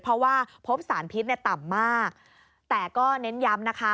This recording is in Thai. เพราะว่าพบสารพิษเนี่ยต่ำมากแต่ก็เน้นย้ำนะคะ